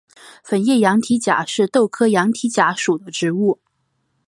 粉叶羊蹄甲是豆科羊蹄甲属的植物。